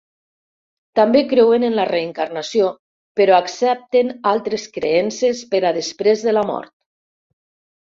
També creuen en la reencarnació, però accepten altres creences per a després de la mort.